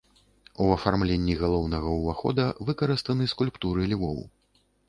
У афармленні галоўнага ўвахода выкарыстаны скульптуры львоў.